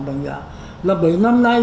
đồng nhận là bấy năm nay